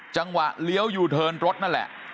จังหวะเลี้ยวยูเทิร์นรถนั่นแหละ